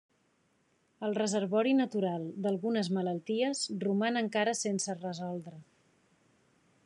El reservori natural d'algunes malalties roman encara sense resoldre.